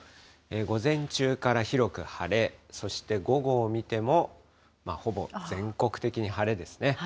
午前中から広く晴れ、そして午後を見ても、ほぼ全国的に晴れですね。